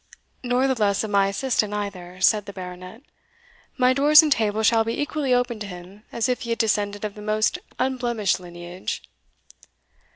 "Nor the less of my assistant either," said the Baronet; "my doors and table shall be equally open to him as if he had descended of the most unblemished lineage."